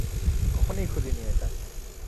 কখনোই খুলিনি এটা।